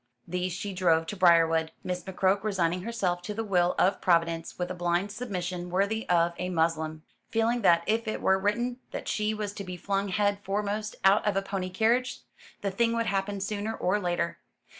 These she drove to Briarwood, Miss McCroke resigning herself to the will of Providence with a blind submission worthy of a Moslem; feeling that if it were written that she was to be flung head foremost out of a pony carriage, the thing would happen sooner or later.